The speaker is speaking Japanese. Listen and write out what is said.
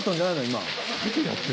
今。